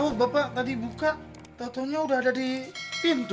gak tau bapak tadi buka tautannya udah ada di pintu